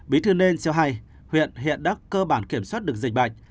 bí thư nên cho hay huyện hiện đã cơ bản kiểm soát được dịch bệnh